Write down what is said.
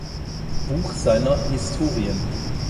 Buch seiner "Historien".